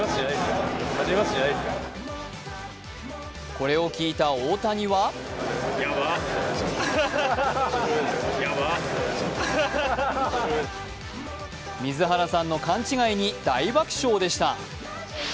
これを聞いた大谷は水原さんの勘違いに大爆笑でした。